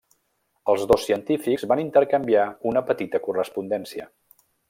Els dos científics van intercanviar una petita correspondència.